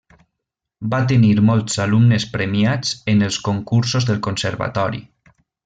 Va tenir molts alumnes premiats en els concursos del conservatori.